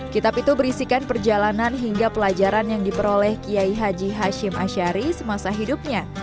kitab itu berisikan perjalanan hingga pelajaran yang diperoleh kiai haji hashim ashari semasa hidupnya